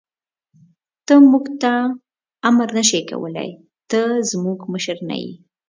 ته موږ ته امر نه شې کولای، ته زموږ مشر نه یې.